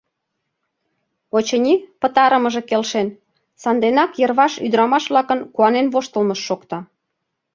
Очыни, пытарымыже келшен, санденак йырваш ӱдырамаш-влакын куанен воштылмышт шокта.